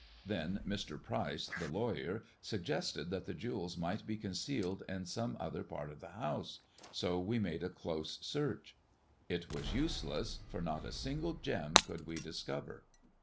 Then Mr, Pryce, the lawyer, suggested that the jewels might be con cealed in some other part of the house, so we made a close search. It was useless, for not a single gem could we discover.